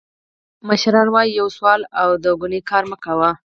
مشران وایي: یو سوال او د کونې کار مه کوه.